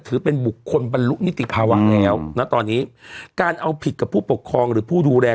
ถือเป็นบุคคลบรรลุนิติภาวะแล้วนะตอนนี้การเอาผิดกับผู้ปกครองหรือผู้ดูแล